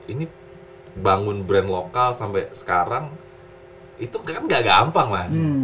ini bangun brand lokal sampai sekarang itu kan gak gampang mas